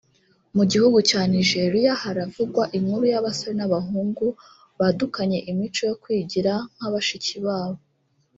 Mu gihugu cya Nigeria haravugwa inkuru y’abasore n’abahungu badukanye imico yo kwigira nka bashiki babo